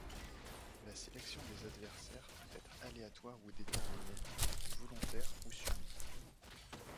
La sélection des adversaires peut être aléatoire ou déterminée, volontaire ou subie.